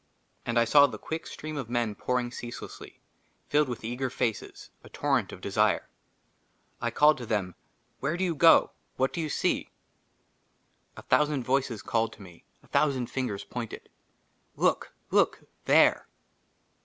AND I SAW THE QUICK STREAM OF MEN POURING CEASELESSLY, FILLED WITH EAGER FACES, A TORRENT OF DESIRE. I CALLED TO THEM, WHERE DO YOU GO ? WHAT DO YOU SEE ?" A THOUSAND VOICES CALLED TO ME. A THOUSAND FINGERS POINTED. *' LOOK ! LOOK ! THERE